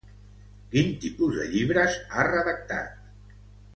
Quin tipus de llibres ha redactat?